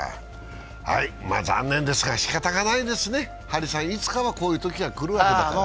残念ですがしかたがないですね、いつかはこういう時が来るわけで。